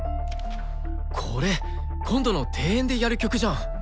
これ今度の定演でやる曲じゃん！